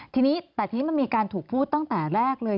ทีนี้แต่ทีนี้มันมีการถูกพูดตั้งแต่แรกเลย